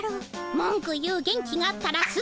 文句言う元気があったら進みな。